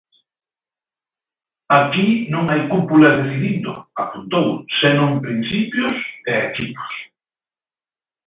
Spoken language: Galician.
"Aquí non hai cúpulas decidindo", apuntou senón "principios" e "equipos".